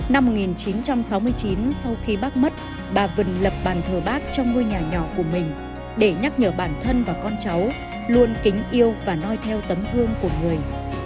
năm một nghìn chín trăm sáu mươi chín sau khi bác mất bà vân lập bàn thờ bác trong ngôi nhà nhỏ của mình để nhắc nhở bản thân và con cháu luôn kính yêu và nói theo tấm gương của người